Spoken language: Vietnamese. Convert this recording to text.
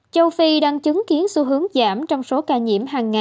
châu phi đang chứng kiến xu hướng giảm trong số ca nhiễm